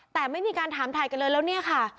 แต่ไม่มีการถามถ่ายกันเลยแล้วเนี่ยค่ะ